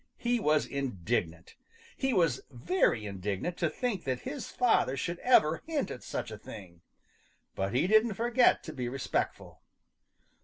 He was indignant. He was very indignant to think that his father should ever hint at such a thing. But he didn't forget to be respectful.